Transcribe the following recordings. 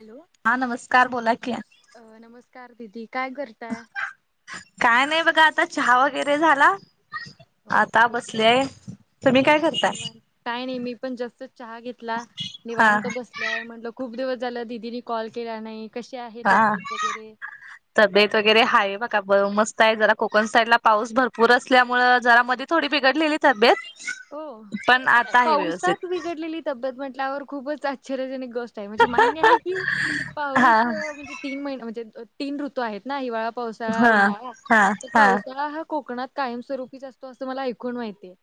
Hello हा नमस्कार बोला की. अ नमस्कार दिदी काय करताय? काय नाही बघा आता चहा वगैरे झाला आता ओके, बसलेय. निवांत काय नाही मी पण जास्त चहा घेतला हा निवांत बसले म्हटलं खूप दिवस झालं दिदीनी कॉल केला नाही कशी आहे हा तब्येत वगैरे तब्येत वगैरे हाय बघा मस्त आहे जरा कोकण साईडला पाऊस भरपूर असल्यामुळे जरा मध्ये थोडी बिघडलेली तब्येत हो पण आता आहे पावसात व्यवस्थित बिघडलेली तब्येत म्हंटल्यावर खूपच आश्चर्यजनक गोष्ट आहे म्हणजे मान्य आहे की, हा पाऊस म्हणजे तीन महिने म्हणजे तीन ऋतू आहेत ना हिवाळा पावसाळा हा उन्हाळा हा तर हा पावसाळा हा कोकणात कायमस्वरूपीच असतो असं मला ऐकून माहितेय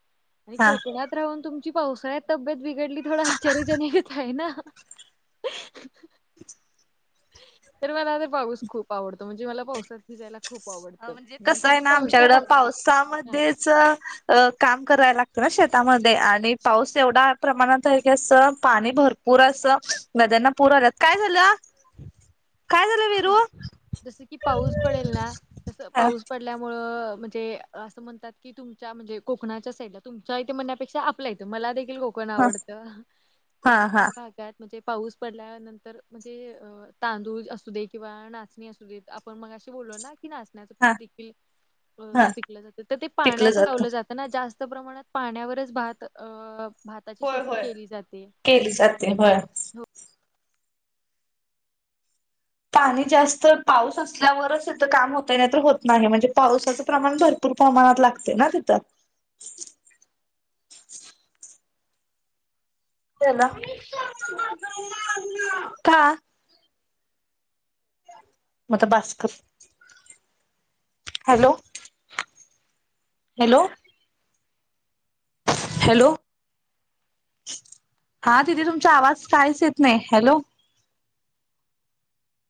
आणि हा कोकणात राहून तुमची पावसाळ्यात तब्येत बिघडली थोडं आश्चर्याजनंक येत आहे ना आवाज तर मला तर पाऊस खूप आवडतो म्हणजे मला पावसात भिजायला खूप आवडत म्हणजे मग तुम्ही पावसात आज--हा च अ काम करायला लागतं ना शेतामध्ये आणि पाऊस एवढ्या प्रमाणात आहे की अस पाणी भरपूर पुर असं नद्यांना पुर आल्यात काय झालं आवाज काय झाल वीरू? जस की पाऊस पडेल ना जस हा पाऊस पडेल आपल्यामुळे म्हणजे अस की म्हणतात तुमच्या म्हणजे कोकणाच्या साईटला तुमच्या येथेम्हणण्यापेक्षा आपल्या मला देखील कोकण हा आवडत तर हा हा आपल्या भागात म्हणजे पाऊस पडल्यानंतर म्हणजे अ तांदूळ असू दे किंवा नाचणी असू दे आपण मगाशी बोललो ना की नाचणी -ण्या पी हा देखील हा पिकलं जातं तर ते पाण्यात लावलं जात त्यांना जास्त प्रमाणात पाण्यावरच भात अ भाताची होय शेती होय केली जाते. केली जाती भात पाणी जास्त पाऊस असल्यावरच तिथं काम होतंय नाही तर होत नाही म्हणजे पावसाचं प्रमाण भर भरपूर प्रमाणात लागताय ना तिथं रिक्षाला मध्ये का मग आता बस कस हॅलो- हॅलो हॅलो हा दीदी तुमचा आवाज कायच येत नाही हॅलो